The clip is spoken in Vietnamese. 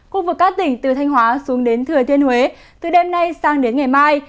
khu vực các tỉnh từ thanh hóa xuống đến thừa thiên huế từ đêm nay sang đến ngày mai